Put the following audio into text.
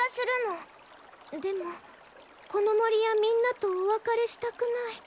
でもこの森やみんなとお別れしたくない。